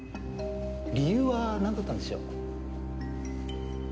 理由はなんだったんでしょう？